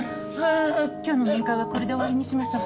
今日の面会はこれで終わりにしましょう。